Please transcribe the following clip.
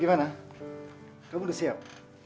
gimana kamu udah siap